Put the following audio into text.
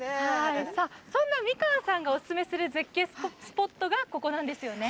そんな三川さんがおすすめする絶景スポットがここなんですね。